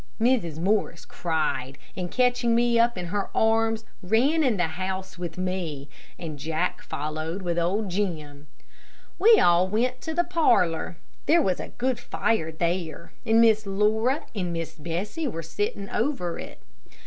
Mrs. Morris cried, and catching me up in her arms, ran in the house with me, and Jack followed with old Jim. We all went into the parlor. There was a good fire there, and Miss Laura and Miss Bessie were sitting over it.